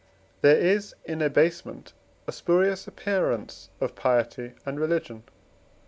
There is in abasement a spurious appearance of piety and religion.